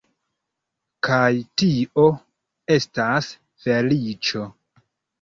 Kaj tio estas feliĉo.